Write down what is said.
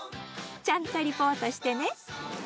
ちゃんとリポートしてね。